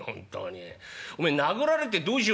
お前殴られてどうしようてんだよ」。